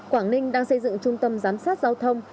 quảng ninh đang xây dựng trung tâm giám sát giao thông